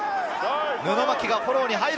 布巻がフォローに入る。